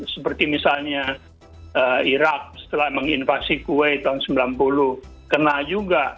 seperti misalnya irak setelah menginvasi kue tahun sembilan puluh kena juga